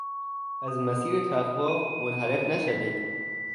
از مسیر تقوا منحرف نشوید!